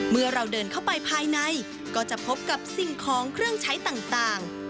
เมื่อเราเดินเข้าไปภายในก็จะพบกับสิ่งของเครื่องใช้ต่าง